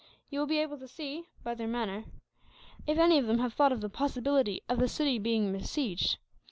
You will be able to see, by their manner, if any of them have thought of the possibility of the city being besieged.